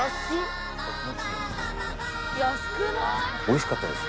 おいしかったです。